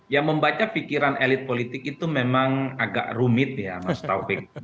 ya membaca pikiran elit politik itu memang agak rumit ya mas taufik